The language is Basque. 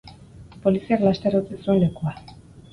Poliziak laster utzi zuen lekua.